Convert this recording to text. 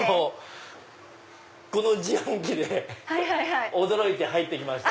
この自販機で驚いて来ました。